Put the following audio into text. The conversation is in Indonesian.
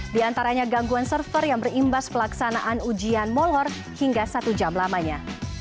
di antaranya gangguan server yang berimbas pelaksanaan ujian molor hingga satu jam lamanya